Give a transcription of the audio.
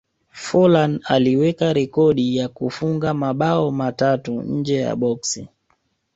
forlan aliweka rekodi ya kufunga mabao matatu nje ya boksi